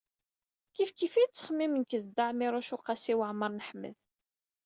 Kifkif i nettxemmim nekk d Dda Ɛmiiruc u Qasi Waɛmer n Ḥmed.